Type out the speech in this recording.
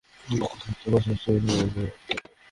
পক্ষাঘাতে আক্রান্ত হয়ে পাঁচ বছর ধরে তিনি কথা বলতে পারতেন না।